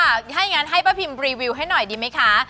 ถ้าอย่างนั้นให้ป้าพิมรีวิวให้หน่อยดีไหมคะ